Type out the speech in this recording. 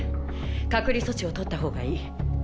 隔離措置をとった方がいい。